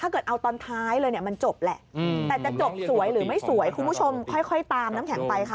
คุณผู้ชมค่อยตามน้ำแข็งไปค่ะ